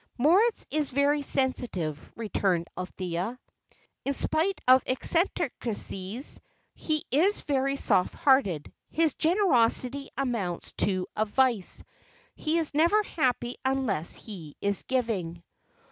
"Moritz is very sensitive," returned Althea; "in spite of eccentricities, he is very soft hearted; his generosity amounts to a vice; he is never happy unless he is giving."